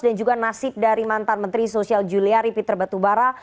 dan juga nasib dari mantan menteri sosial juliari peter batubara